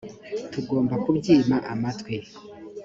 tugomba kubyima amatwi